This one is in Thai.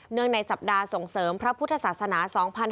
งในสัปดาห์ส่งเสริมพระพุทธศาสนา๒๕๕๙